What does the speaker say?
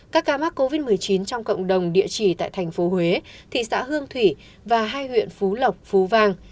các ca mắc covid một mươi chín trong cộng đồng địa chỉ tại thành phố huế thị xã hương thủy và hai huyện phú lộc phú vang